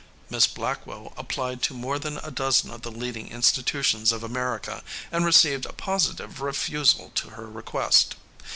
Miss Blackwell applied to more than a dozen of the leading institutions of America, and received a positive refusal to her request.